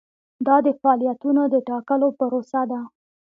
دا د فعالیتونو د ټاکلو پروسه ده.